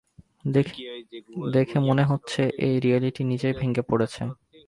দেখে মনে হচ্ছে, এই রিয়্যালিটি নিজেই ভেঙ্গে পড়েছে।